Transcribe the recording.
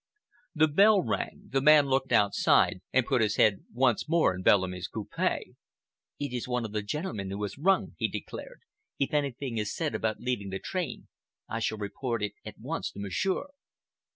The bell rang. The man looked outside and put his head once more in Bellamy's coupe. "It is one of the gentleman who has rung," he declared. "If anything is said about leaving the train, I shall report it at once to Monsieur."